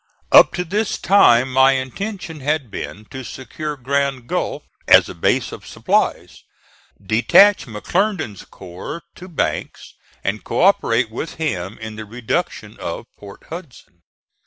Up to this time my intention had been to secure Grand Gulf, as a base of supplies, detach McClernand's corps to Banks and co operate with him in the reduction of Port Hudson.